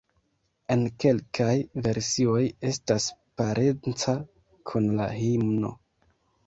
En kelkaj versioj estas parenca kun la himno.